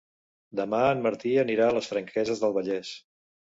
Demà en Martí anirà a les Franqueses del Vallès.